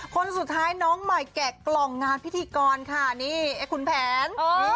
คนสุดท้ายน้องใหม่แกะกล่องงานพิธีกรค่ะนี่ไอ้คุณแผน